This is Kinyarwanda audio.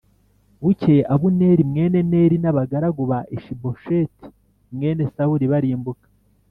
Bukeye Abuneri mwene Neri n’abagaragu ba Ishibosheti mwene Sawuli barimuka